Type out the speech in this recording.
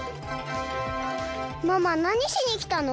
ママなにしにきたの？